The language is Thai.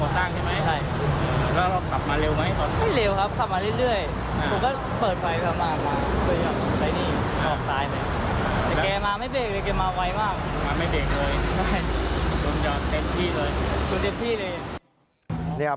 ทุกที่ต้องการการงาน